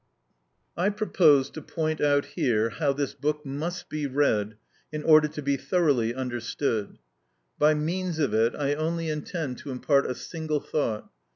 I propose to point out here how this book must be read in order to be thoroughly understood. By means of it I only intend to impart a single thought.